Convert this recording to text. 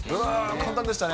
簡単でしたね。